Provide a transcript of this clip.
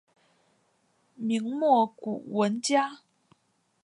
明末古文家。